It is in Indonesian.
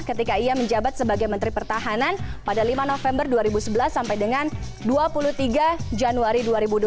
ketika ia menjabat sebagai menteri pertahanan pada lima november dua ribu sebelas sampai dengan dua puluh tiga januari dua ribu dua puluh